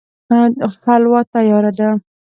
حلوا تياره ده